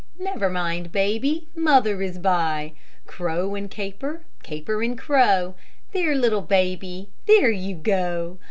Never mind, Baby, Mother is by. Crow and caper, caper and crow, There, little Baby, there you go!